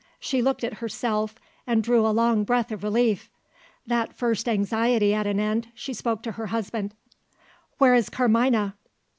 She looked at herself and drew a long breath of relief. That first anxiety at an end, she spoke to her husband. "Where is Carmina?"